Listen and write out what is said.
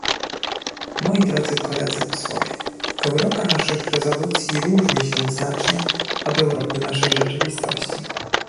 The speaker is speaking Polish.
Moi drodzy koledzy posłowie, Europa naszych rezolucji różni się znacznie od Europy naszej rzeczywistości